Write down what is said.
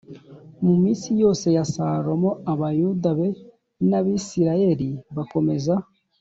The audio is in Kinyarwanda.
Mu minsi yose ya salomo abayuda b n abisirayeli bakomeza